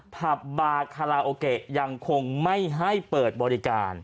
ผับบาคาราโอเกะยังคงไม่ให้เปิดบริการ